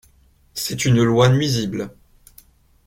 C'est une loi nuisible.